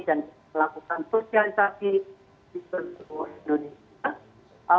dan melakukan sosialisasi di seluruh indonesia